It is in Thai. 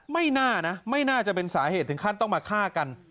ไม่น่านะไม่น่าจะเป็นสาเหตุถึงขั้นต้องมาฆ่ากัน